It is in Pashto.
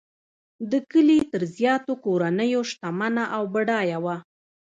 د کلي تر زیاتو کورنیو شتمنه او بډایه وه.